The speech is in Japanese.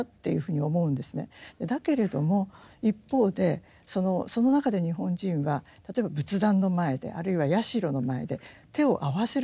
だけれども一方でその中で日本人は例えば仏壇の前であるいは社の前で手を合わせるわけですよ。